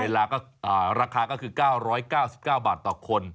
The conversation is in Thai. ราคาก็ราคาก็คือ๙๙๙บาทต่อคน